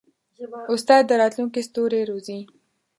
استاد د راتلونکي ستوري روزي.